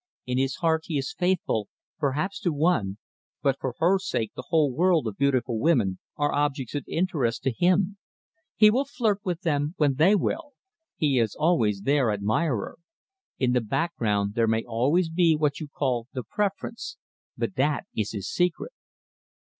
In his heart he is faithful, perhaps, to one, but for her sake the whole world of beautiful women are objects of interest to him. He will flirt with them when they will. He is always their admirer. In the background there may always be what you call the preference, but that is his secret."